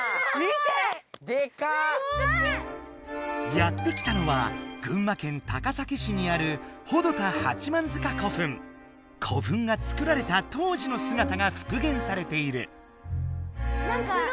やって来たのは群馬県高崎市にある古墳が作られた当時のすがたがふく元されている。